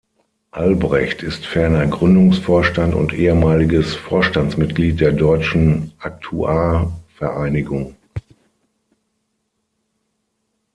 Albrecht ist ferner Gründungsvorstand und ehemaliges Vorstandsmitglied der Deutschen Aktuarvereinigung.